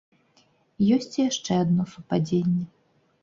Ёсць і яшчэ адно супадзенне.